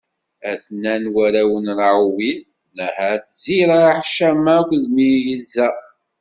A-ten-an warraw n Raɛuwil: Naḥat, Ziraḥ, Cama akked Miza.